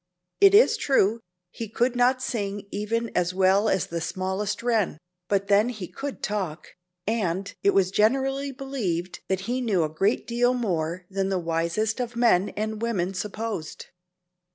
It is true, he could not sing even as well as the smallest wren, but then he could talk, and it was generally believed that he knew a great deal more than the wisest of men and women supposed.